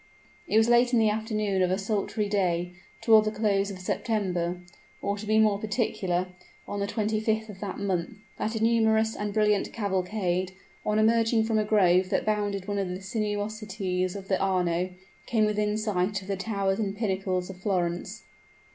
It was late in the afternoon of a sultry day, toward the close of September, or, to be more particular, on the 25th of that month, that a numerous and brilliant cavalcade, on emerging from a grove which bounded one of the sinuosities of the Arno, came within sight of the towers and pinnacles of Florence.